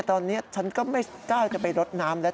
ตอนนี้ฉันก็ไม่กล้าจะไปรดน้ำแล้ว